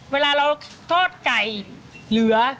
เวลาเราทอดไก่เหลือ